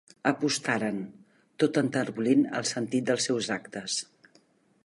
Apostaren, tot enterbolint el sentit dels seus actes.